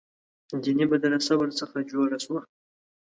دیني مدرسه ورڅخه جوړه سوه.